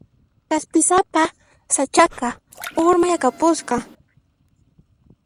K'aspisapa sach'aqa urmaykapusqa.